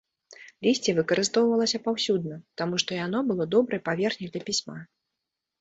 Лісце выкарыстоўвалася паўсюдна, таму што яно было добрай паверхняй для пісьма.